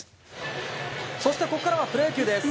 そしてここからはプロ野球です。